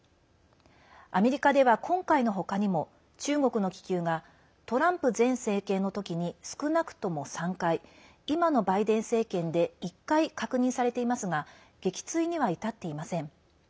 アメリカでは今回の他にも中国の気球がトランプ前政権の時に少なくとも３回今のバイデン政権で１回確認されていますが撃墜には至っていません。